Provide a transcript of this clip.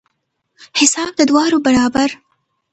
حساب د دواړو برابر.